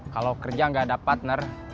kalau kerja nggak ada partner